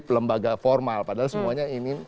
lembaga formal padahal semuanya ingin